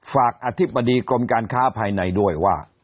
อธิบดีกรมการค้าภายในด้วยว่า